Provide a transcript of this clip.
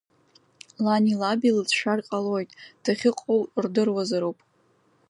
Лани лаби лыцәшәар ҟалоит, дахьыҟоу рдыруазароуп!